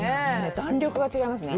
弾力が違いますね。